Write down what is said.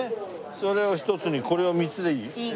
それを１つにこれを３つでいい？いいね。